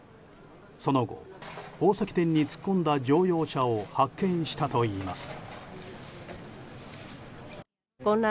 その後、宝石店に突っ込んだ乗用車を発見したといいます。